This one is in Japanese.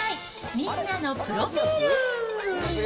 みんなのプロフィール。